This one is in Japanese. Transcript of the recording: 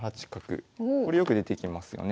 これよく出てきますよね。